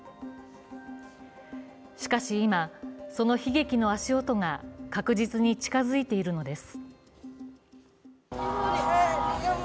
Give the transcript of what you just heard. しかし今、その悲劇の足音が確実に近づいていてるのです。